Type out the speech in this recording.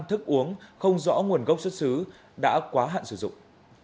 thức uống không rõ nguồn gốc xuất xứ đã quá hạn sử dụng